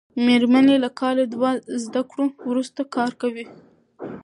مېرمن یې له کال دوه زده کړو وروسته کار کوي.